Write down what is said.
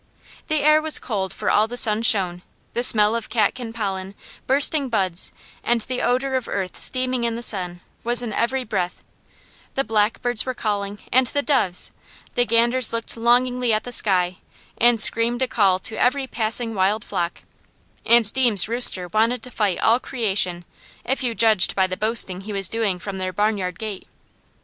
The air was cold for all the sun shone, the smell of catkin pollen, bursting buds, and the odour of earth steaming in the sun, was in every breath; the blackbirds were calling, and the doves; the ganders looked longingly at the sky and screamed a call to every passing wild flock, and Deams' rooster wanted to fight all creation, if you judged by the boasting he was doing from their barnyard gate.